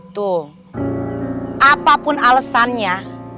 kau pun dah sama